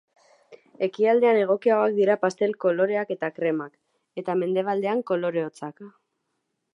Ekialdean egokiagoak dira pastel-koloreak eta kremak, eta mendebaldean kolore hotzak.